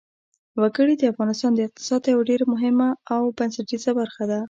وګړي د افغانستان د اقتصاد یوه ډېره مهمه او بنسټیزه برخه ده.